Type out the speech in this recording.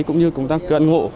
cũng như công tác cận hộ